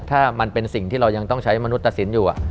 ถ้ามันเป็นสิ่งที่เรายังต้องใช้มนุษย์ตัดสินอยู่